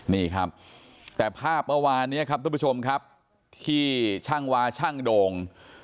นี่ครับแต่ภาพเมื่อวานนี้ครับทุกผู้ชมครับที่ช่างวาช่างโด่ง